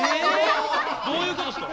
どういうことですか？